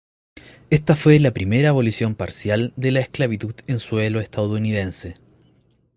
Esta fue la primera abolición parcial de la esclavitud en suelo estadounidense.